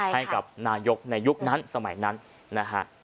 ให้กับนายกในยุคนั้นสมัยนั้นนะฮะ